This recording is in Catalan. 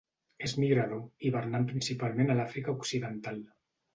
És migrador, hivernant principalment a l'Àfrica occidental.